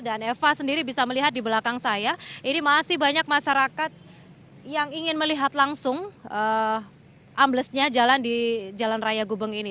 dan eva sendiri bisa melihat di belakang saya ini masih banyak masyarakat yang ingin melihat langsung amblesnya jalan di jalan raya gubeng ini